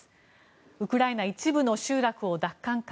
ウクライナ一部の集落を奪還か。